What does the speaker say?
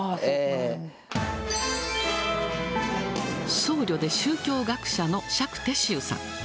僧侶で宗教学者の釈徹宗さん。